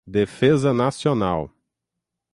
defesa nacional